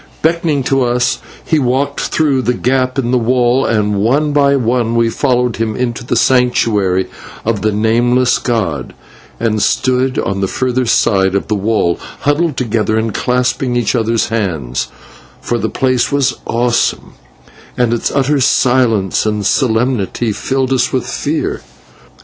Beckoning to us he walked through the gap in the wall, and one by one we followed him into the Sanctuary of the Nameless god, and stood on the further side of the wall, huddled together and clasping each other's hands, for the place was awesome, and its utter silence and solemnity filled us with fear.